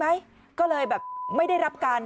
ไม่รู้อะไรกับใคร